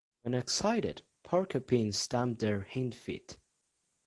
When excited, porcupines stamp their hind feet.